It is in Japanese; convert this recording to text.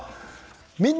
「みんな！